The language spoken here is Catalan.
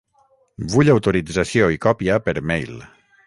Vull autorització i còpia per mail.